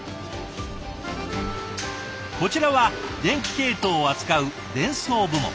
こちらは電気系統を扱う電装部門。